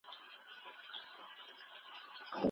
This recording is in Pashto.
ته باید د هر ډول توهماتو څخه ځان وساتې.